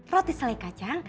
roti selai kacang